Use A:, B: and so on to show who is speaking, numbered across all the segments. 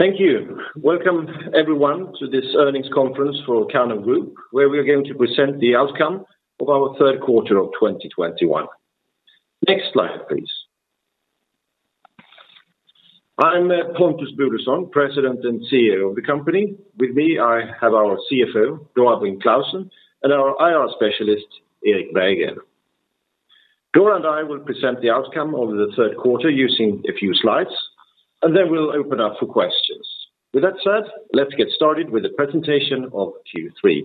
A: Thank you. Welcome everyone to this earnings conference for Karnov Group, where we are going to present the outcome of our third quarter of 2021. Next slide, please. I'm Pontus Bodelsson, President and CEO of the company. With me, I have our CFO, Dora Brink Clausen, and our IR specialist, Erik Berggren. Dora and I will present the outcome of the third quarter using a few slides, and then we'll open up for questions. With that said, let's get started with the presentation of Q3.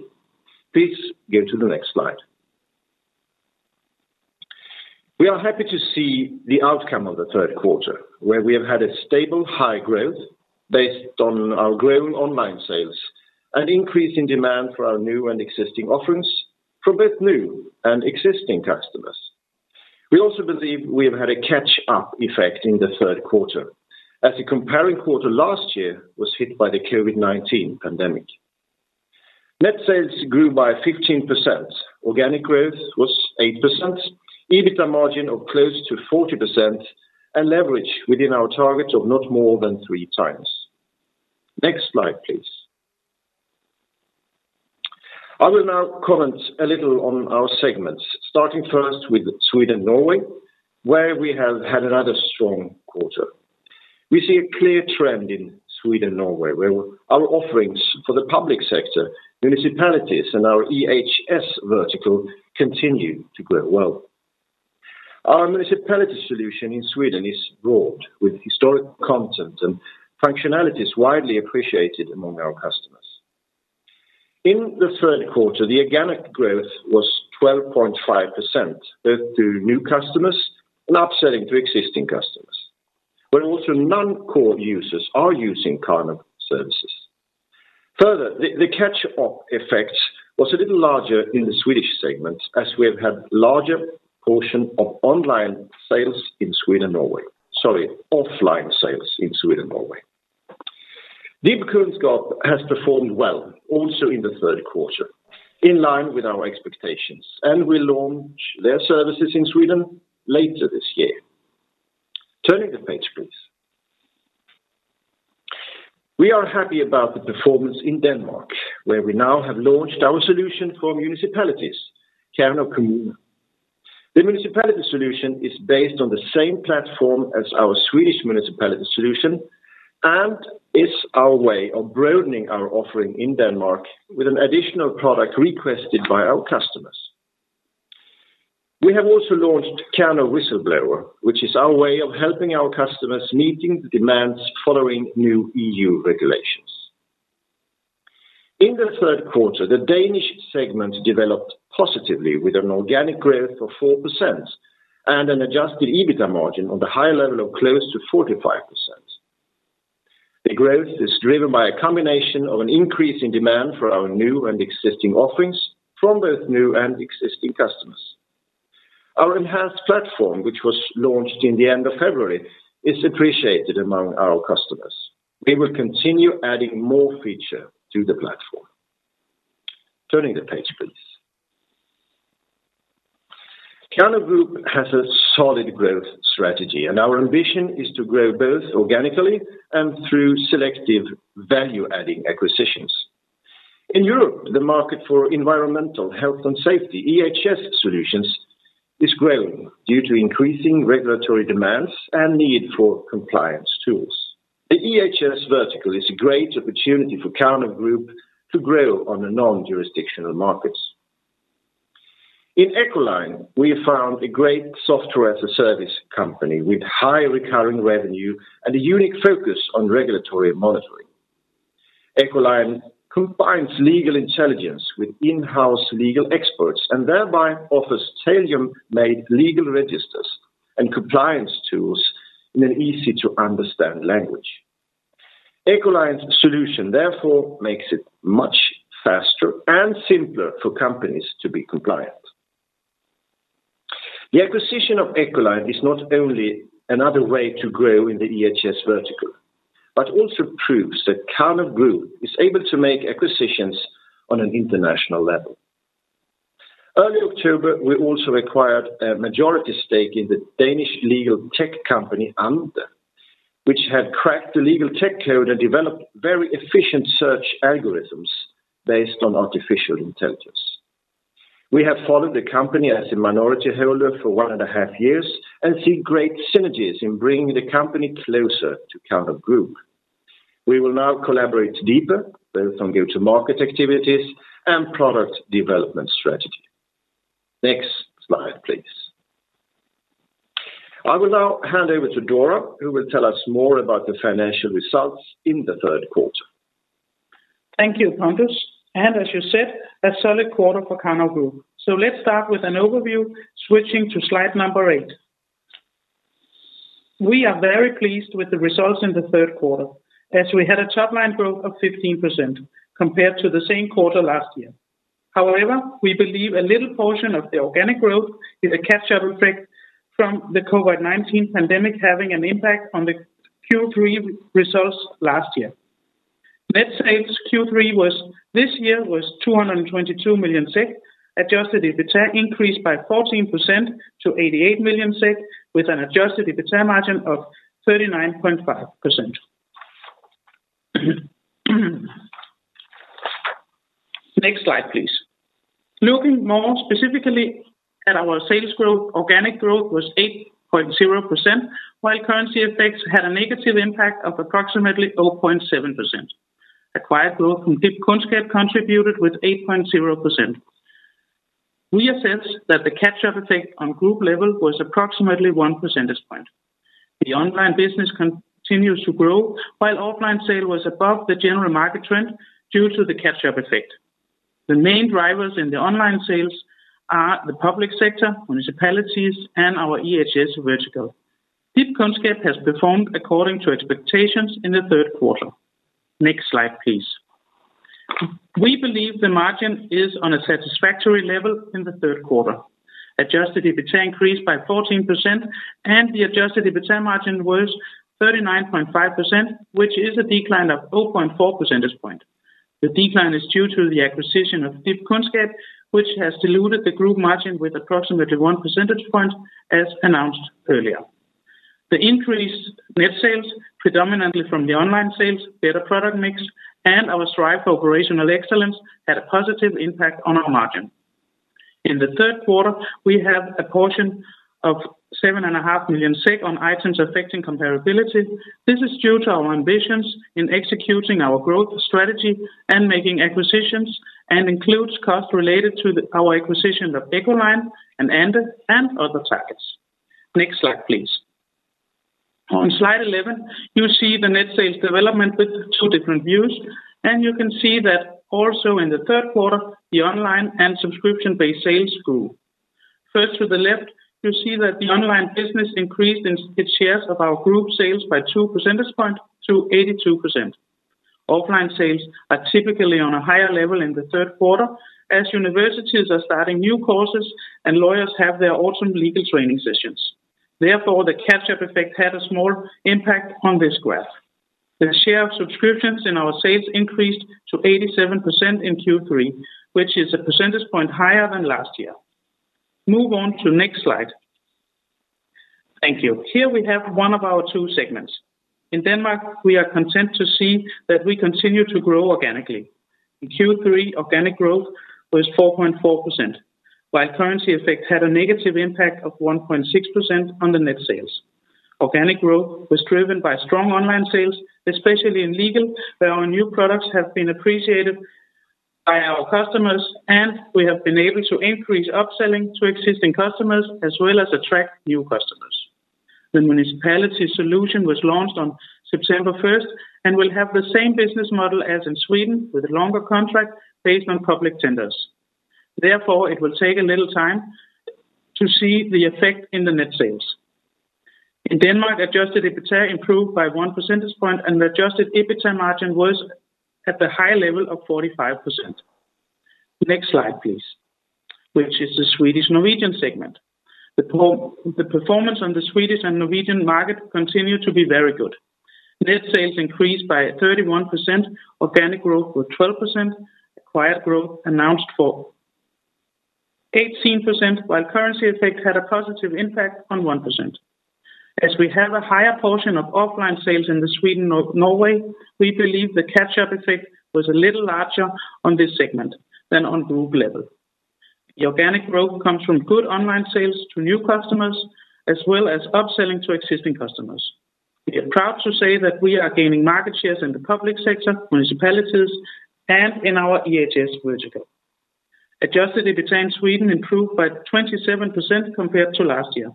A: Please go to the next slide. We are happy to see the outcome of the third quarter, where we have had a stable high growth based on our growing online sales and increase in demand for our new and existing offerings from both new and existing customers. We also believe we have had a catch-up effect in the third quarter as the comparable quarter last year was hit by the COVID-19 pandemic. Net sales grew by 15%. Organic growth was 8%. EBITDA margin of close to 40% and leverage within our target of not more than 3x. Next slide, please. I will now comment a little on our segments, starting first with Sweden and Norway, where we have had another strong quarter. We see a clear trend in Sweden and Norway, where our offerings for the public sector, municipalities, and our EHS vertical continue to grow well. Our municipality solution in Sweden is broad, with historic content and functionalities widely appreciated among our customers. In the third quarter, the organic growth was 12.5%, both to new customers and upselling to existing customers, where also non-core users are using Karnov services. Further, the catch-up effect was a little larger in the Swedish segment, as we have had larger portion of offline sales in Sweden, Norway. DIBkunnskap has performed well also in the third quarter, in line with our expectations, and will launch their services in Sweden later this year. Turning the page, please. We are happy about the performance in Denmark, where we now have launched our solution for municipalities, Karnov Kommune. The municipality solution is based on the same platform as our Swedish municipality solution and is our way of broadening our offering in Denmark with an additional product requested by our customers. We have also launched Karnov Whistleblower, which is our way of helping our customers meeting the demands following new EU regulations. In the third quarter, the Danish segment developed positively with an organic growth of 4% and an adjusted EBITDA margin on the high level of close to 45%. The growth is driven by a combination of an increase in demand for our new and existing offerings from both new and existing customers. Our enhanced platform, which was launched in the end of February, is appreciated among our customers. We will continue adding more features to the platform. Turning the page, please. Karnov Group has a solid growth strategy, and our ambition is to grow both organically and through selective value-adding acquisitions. In Europe, the market for environmental, health, and safety, EHS solutions is growing due to increasing regulatory demands and need for compliance tools. The EHS vertical is a great opportunity for Karnov Group to grow on the non-jurisdictional markets. In Echoline, we have found a great software as a service company with high recurring revenue and a unique focus on regulatory monitoring. Echoline combines legal intelligence with in-house legal experts and thereby offers tailor-made legal registers and compliance tools in an easy-to-understand language. Echoline's solution therefore makes it much faster and simpler for companies to be compliant. The acquisition of Echoline is not only another way to grow in the EHS vertical but also proves that Karnov Group is able to make acquisitions on an international level. Early October, we also acquired a majority stake in the Danish legal tech company Ante ApS, which had cracked the legal tech code and developed very efficient search algorithms based on artificial intelligence. We have followed the company as a minority holder for 1.5 years and see great synergies in bringing the company closer to Karnov Group. We will now collaborate deeper, both on go-to-market activities and product development strategy. Next slide, please. I will now hand over to Dora, who will tell us more about the financial results in the third quarter.
B: Thank you, Pontus. As you said, a solid quarter for Karnov Group. Let's start with an overview, switching to slide number eight. We are very pleased with the results in the third quarter as we had a top-line growth of 15% compared to the same quarter last year. However, we believe a little portion of the organic growth is a catch-up effect from the COVID-19 pandemic having an impact on the Q3 results last year. Net sales Q3 this year was 222 million SEK. Adjusted EBITA increased by 14% to 88 million SEK with an adjusted EBITA margin of 39.5%. Next slide, please. Looking more specifically at our sales growth, organic growth was 8.0%, while currency effects had a negative impact of approximately 0.7%. Acquired growth from DIBkunnskap contributed with 8.0%. We assess that the catch-up effect on group level was approximately 1 percentage point. The online business continues to grow, while offline sales was above the general market trend due to the catch-up effect. The main drivers in the online sales are the public sector, municipalities, and our EHS vertical. DIBkunnskap has performed according to expectations in the third quarter. Next slide, please. We believe the margin is on a satisfactory level in the third quarter. Adjusted EBITA increased by 14%, and the adjusted EBITA margin was 39.5%, which is a decline of 0.4 percentage point. The decline is due to the acquisition of DIBkunnskap, which has diluted the group margin with approximately 1 percentage point, as announced earlier. The increased net sales predominantly from the online sales, better product mix, and our drive for operational excellence had a positive impact on our margin. In the third quarter, we have a portion of 7.5 million on items affecting comparability. This is due to our ambitions in executing our growth strategy and making acquisitions and includes costs related to our acquisition of Echoline and Ante ApS and other targets. Next slide, please. On slide 11, you see the net sales development with two different views, and you can see that also in the third quarter, the online and subscription-based sales grew. First, to the left, you see that the online business increased in its share of our group sales by 2 percentage points to 82%. Offline sales are typically on a higher level in the third quarter as universities are starting new courses and lawyers have their autumn legal training sessions. Therefore, the catch-up effect had a small impact on this graph. The share of subscriptions in our sales increased to 87% in Q3, which is a percentage point higher than last year. Move on to next slide. Thank you. Here we have one of our two segments. In Denmark, we are content to see that we continue to grow organically. In Q3, organic growth was 4.4%, while currency effect had a negative impact of 1.6% on the net sales. Organic growth was driven by strong online sales, especially in legal, where our new products have been appreciated by our customers, and we have been able to increase upselling to existing customers as well as attract new customers. The municipality solution was launched on September 1st and will have the same business model as in Sweden with a longer contract based on public tenders. Therefore, it will take a little time to see the effect in the net sales. In Denmark, adjusted EBITA improved by 1 percentage point, and the adjusted EBITA margin was at the high level of 45%. Next slide, please, which is the Swedish Norwegian segment. The performance on the Swedish and Norwegian market continue to be very good. Net sales increased by 31%. Organic growth was 12%. Acquired growth accounted for 18%, while currency effect had a positive impact on 1%. As we have a higher portion of offline sales in Sweden and Norway, we believe the catch-up effect was a little larger on this segment than on group level. The organic growth comes from good online sales to new customers as well as upselling to existing customers. We are proud to say that we are gaining market shares in the public sector, municipalities, and in our EHS vertical. Adjusted EBITA in Sweden improved by 27% compared to last year,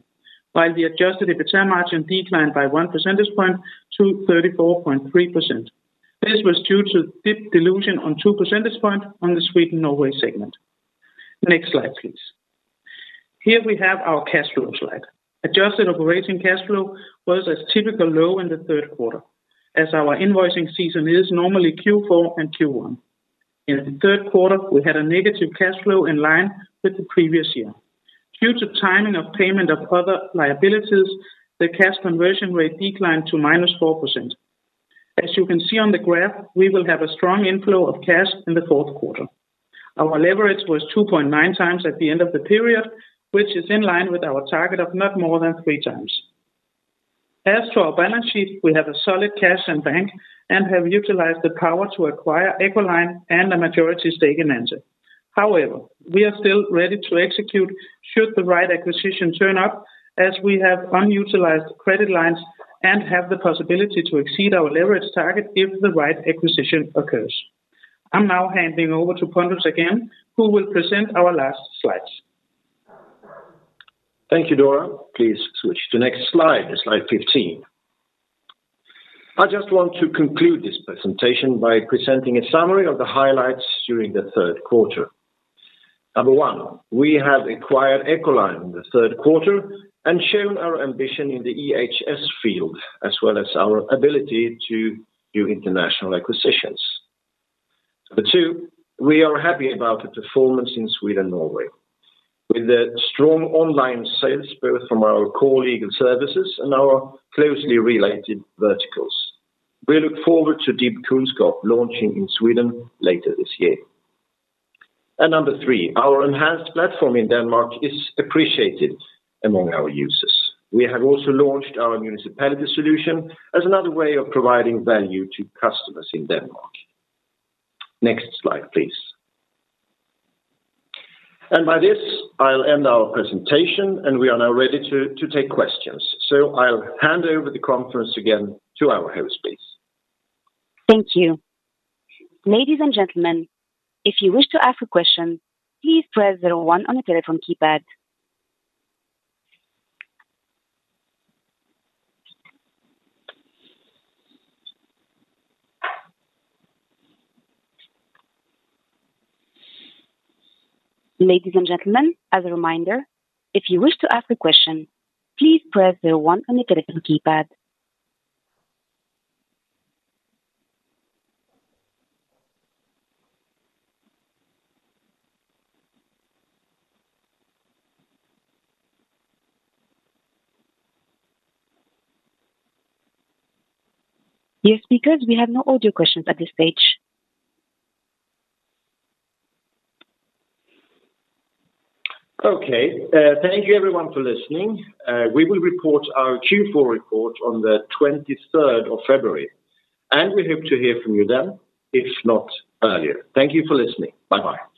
B: while the adjusted EBITA margin declined by 1 percentage point to 34.3%. This was due to DIB dilution on 2 percentage points on the Sweden-Norway segment. Next slide, please. Here we have our cash flow slide. Adjusted operating cash flow was as typically low in the third quarter, as our invoicing season is normally Q4 and Q1. In the third quarter, we had a negative cash flow in line with the previous year. Due to timing of payment of other liabilities, the cash conversion rate declined to -4%. As you can see on the graph, we will have a strong inflow of cash in the fourth quarter. Our leverage was 2.9x at the end of the period, which is in line with our target of not more than 3x. As to our balance sheet, we have a solid cash in bank and have utilized the power to acquire Echoline and a majority stake in Ante ApS. However, we are still ready to execute should the right acquisition turn up as we have unutilized credit lines and have the possibility to exceed our leverage target if the right acquisition occurs. I'm now handing over to Pontus again, who will present our last slides.
A: Thank you, Dora. Please switch to next slide 15. I just want to conclude this presentation by presenting a summary of the highlights during the third quarter. Number one, we have acquired Echoline in the third quarter and shown our ambition in the EHS field as well as our ability to do international acquisitions. Number two, we are happy about the performance in Sweden, Norway, with the strong online sales both from our core legal services and our closely related verticals. We look forward to DIBkunnskap launching in Sweden later this year. Number three, our enhanced platform in Denmark is appreciated among our users. We have also launched our municipality solution as another way of providing value to customers in Denmark. Next slide, please. By this, I'll end our presentation, and we are now ready to take questions. I'll hand over the conference again to our host, please.
C: Thank you. Ladies and gentlemen, if you wish to ask a question, please press zero one on the telephone keypad. Ladies and gentlemen, as a reminder, if you wish to ask a question, please press zero one on your telephone keypad. Yes, speakers, we have no audio questions at this stage.
A: Okay. Thank you everyone for listening. We will report our Q4 report on the twenty-third of February, and we hope to hear from you then, if not earlier. Thank you for listening. Bye-bye.